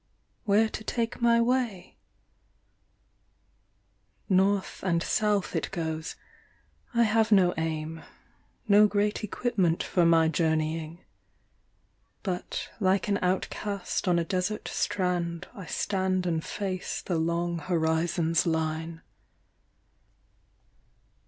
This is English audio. Where to take my way ? North and south it goes, I have no aim, No great equipment for my journeying ; But like an outcast on a desert strand I stand and face the long horizon's line.